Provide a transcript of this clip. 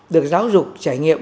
được giáo dục trải nghiệm